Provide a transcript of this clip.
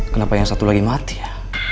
kenapa yang satu lagi mati ya